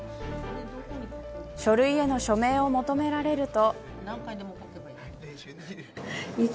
書類への署名を求められると。